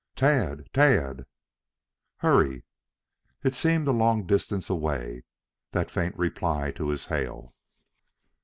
"Tad! T a d!" "Hurry!" It seemed a long distance away that faint reply to his hail.